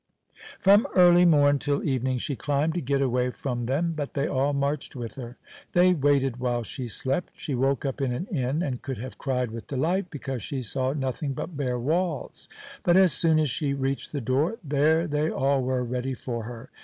From early morn till evening she climbed to get away from them, but they all marched with her. They waited while she slept. She woke up in an inn, and could have cried with delight because she saw nothing but bare walls. But as soon as she reached the door, there they all were, ready for her.